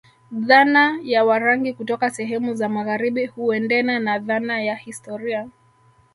Dhana ya Warangi kutoka sehemu za magharibi huendena na dhana ya historia